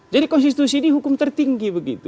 jadi konstitusi ini hukum tertinggi begitu